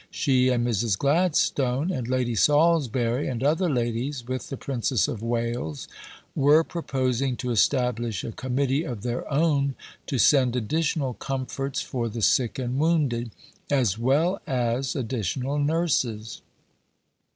She and Mrs. Gladstone and Lady Salisbury, and other ladies, with the Princess of Wales, were proposing to establish a Committee of their own to send additional comforts for the sick and wounded, as well as additional nurses.